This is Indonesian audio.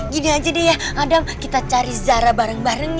gini aja deh ya kadang kita cari zara bareng bareng